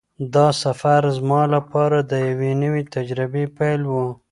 دا سفر زما لپاره د یوې نوې تجربې پیل و.